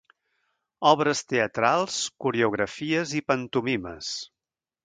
Obres teatrals, coreografies i pantomimes.